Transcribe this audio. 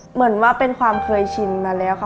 เหมือนว่าเป็นความเคยชินมาแล้วค่ะ